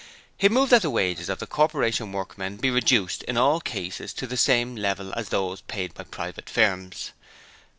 He moved that the wages of the Corporation workmen be reduced in all cases to the same level as those paid by private firms.